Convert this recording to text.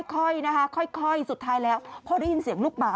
ค่อยนะคะค่อยสุดท้ายแล้วพอได้ยินเสียงลูกหมา